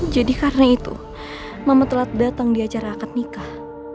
jadi karena itu mama telat datang di acara akad nikah